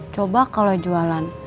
coba kalau jualan